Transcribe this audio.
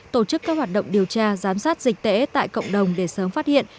tổ chức các hoạt động điều tra giám sát dịch tễ tại cộng đồng để sớm phát hiện